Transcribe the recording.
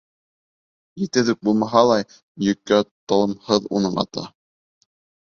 Етеҙ үк булмаһа ла, йөккә талымһыҙ уның аты.